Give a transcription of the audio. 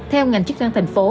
theo ngành chức năng thành phố